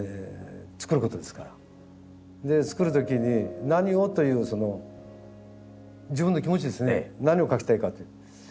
で作る時に「何を」という自分の気持ちですね何を描きたいか。